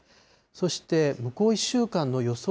そして向こう１週間の予想